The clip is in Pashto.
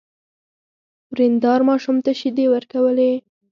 ورېندار ماشوم ته شيدې ورکولې.